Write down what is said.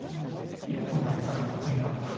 いや都成さんの得意な。